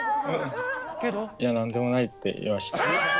「いや、なんでもない」って言いました。